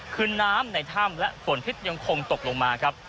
คือน้ำในถ้ำและฝนพิษยังคงตกลงมาครับ